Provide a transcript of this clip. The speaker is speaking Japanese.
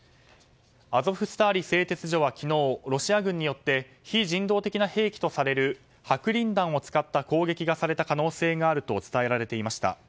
アゾフスターリ製鉄所は昨日ロシア軍によってロシア軍によって非人道的な兵器とされる白リン弾を使った攻撃がされた可能性があると伝えられていました。